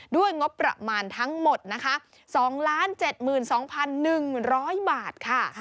ด้วยงบประมาณทั้งหมด๒๐๗๒๑๐๐บาท